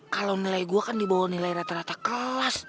kalau nilai gue kan dibawah nilai rata dua kelas